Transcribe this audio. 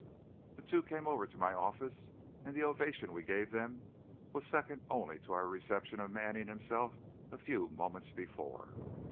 The two came over to my office, and the ovation we gave them was second only to our reception of Manning himself a few moments before.